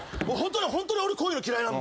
ホントに俺こういうの嫌いなんで。